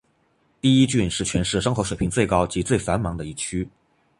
第一郡是全市生活水平最高及最繁忙的一区。